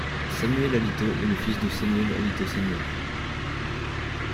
Samuel Alito est le fils de Samuel Alito Sr.